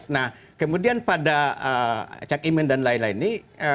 nah kemudian pada cak imin dan lain lain ini